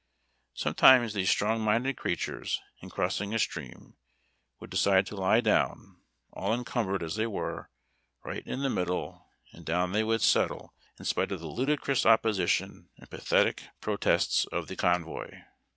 Sometimes these strong minded creatures, in crossing a stream, would decide to lie down, all encumbered as they were, right in the middle, and down they would settle in spite of the ludicrous opposition and pathetic pro THE ARMY MULE. 291 tests of the convoy.